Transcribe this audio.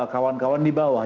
kawan kawan di bawah